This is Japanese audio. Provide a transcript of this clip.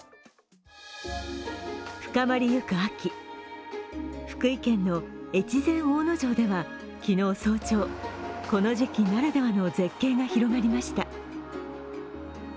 深まるゆく秋、福井県の越前大野城では昨日早朝、この時期ならではの絶景が広がりました。